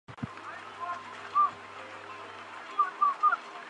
东宁市是黑龙江省牡丹江市下辖的一个县级市。